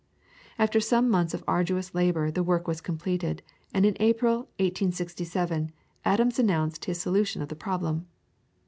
After some months of arduous labour the work was completed, and in April, 1867, Adams announced his solution of the problem.